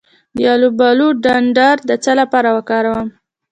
د الوبالو ډنډر د څه لپاره وکاروم؟